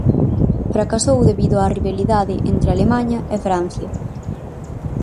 Fracasou debido á rivalidade entre Alemaña e Francia.